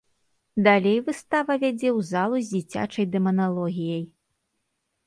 Далей выстава вядзе ў залу з дзіцячай дэманалогіяй.